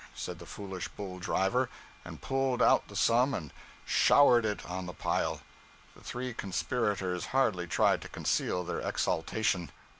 said the foolish bull driver, and pulled out the amount and showered it on the pile. The three conspirators hardly tried to conceal their exultation.